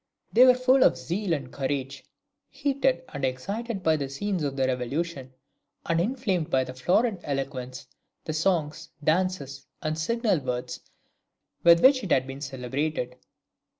They were full of zeal and courage, "heated and excited by the scenes of the Revolution, and inflamed by the florid eloquence, the songs, dances, and signal words with which it had been celebrated."